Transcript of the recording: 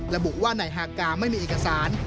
ระบุว่านายฮากาไม่มีเอกสาร